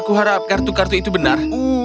aku harap kartu kartu itu benar